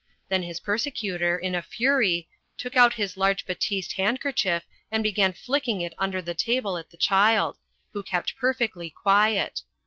Then his persecutor, in a fury, took out his large batiste handkerchief and began flicking it under the table at the child, who kept perfectly quiet.